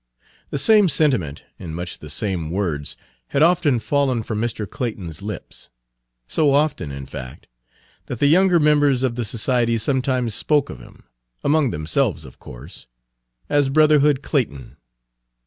The same sentiment in much the same words had often fallen from Mr. Clayton's lips, so often, in fact, that the younger members of the society sometimes spoke of him among themselves of course as "Brotherhood Clayton."